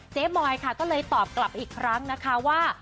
มอยค่ะก็เลยตอบกลับอีกครั้งนะคะว่า